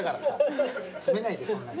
詰めないでそんなに。